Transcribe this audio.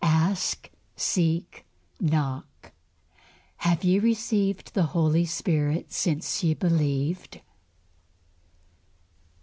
"Ask,... seek,... knock." "HAVE YE RECEIVED THE HOLY GHOST SINCE YE BELIEVED?"